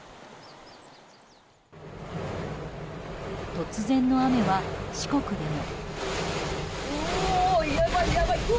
突然の雨は、四国でも。